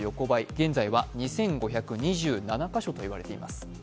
現在は２５２７カ所といわれています。